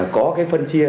có phân chia